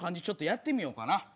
ちょっとやってみようかな。